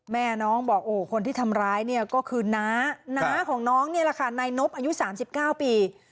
แม่น้องบอกคนที่ทำร้ายก็คือน้าละครับน้อน้องน๊อปอายุ๓๙ปี